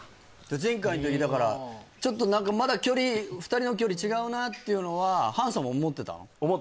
前回の時だからちょっと何かまだ距離２人の距離違うなっていうのはハンさんも思ってたの？